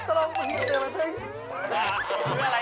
ตลอดคุณซื้ออะไรเสีย